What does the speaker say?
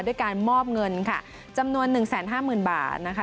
ด้วยการมอบเงินค่ะจำนวน๑๕๐๐๐บาทนะคะ